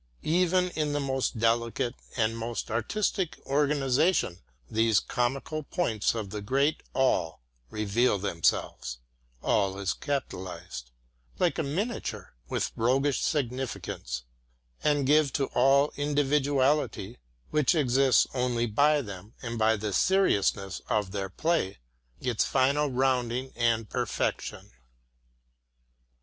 Even in the most delicate and most artistic organization these comical points of the great All reveal themselves, like a miniature, with roguish significance, and give to all individuality, which exists only by them and by the seriousness of their play, its final rounding and perfection.